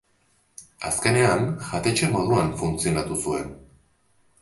Azkenean, jatetxe moduan funtzionatu zuen.